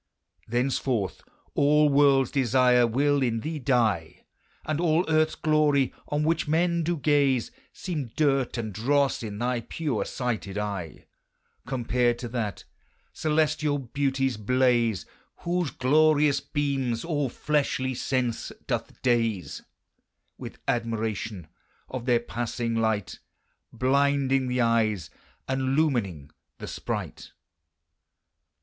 Thenceforth all worlds desire will in thee dye, And all earthes glorie, on which men do gaze, Seeme durt and drosse in thy pure sighted eye, Compared to that celestiall beauties blaze, Whose glorious beames all fleshly sense doth daze With admiration of their passing light, Blinding the eyes, and lumining the spright.